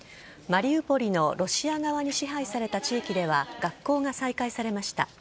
マリウポリのロシア側に支配された地域では学校が再開されました。